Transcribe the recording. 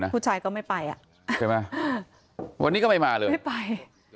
พูดชัยก็ไม่ไปทุกวันนี้ก็ไปมาเลย